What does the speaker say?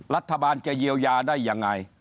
รัฐบาลจะเยียวยาได้ยังไง